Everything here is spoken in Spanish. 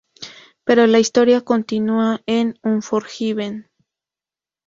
Pero la historia continua en Unforgiven.